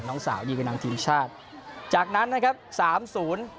น้องสาวนี่คือนำทีมชาติจากนั้นนะครับสามศูนย์